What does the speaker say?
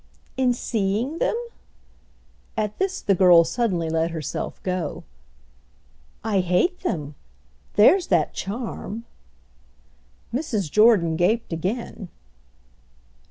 "In seeing them?" At this the girl suddenly let herself go. "I hate them. There's that charm!" Mrs. Jordan gaped again.